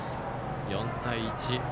４対１。